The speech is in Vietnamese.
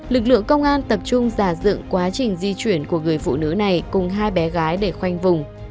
lực lượng công an tập trung giả dựng quá trình di chuyển của người phụ nữ này cùng hai bé gái để khoanh vùng